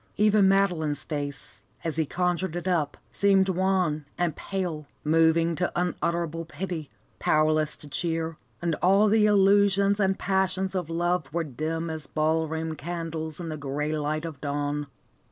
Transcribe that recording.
Even Madeline's face, as he conjured it up, seemed wan and pale, moving to unutterable pity, powerless to cheer, and all the illusions and passions of love were dim as ball room candles in the grey light of dawn.